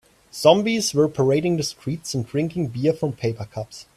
Zombies were parading in the streets and drinking beer from paper cups.